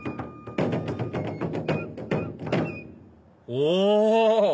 お！